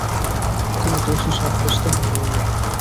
তিনি দোষী সাব্যস্ত হননি।